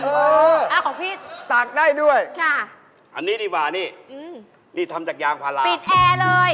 เออตากได้ด้วยอันนี้ดีกว่านี่ทำจากยางภาราปิดแอร์เลย